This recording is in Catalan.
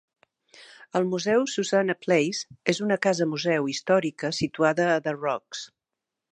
El Museu Susannah Place és una casa museu històrica situada a The Rocks.